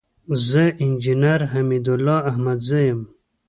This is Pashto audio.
زه انجينر حميدالله احمدزى يم.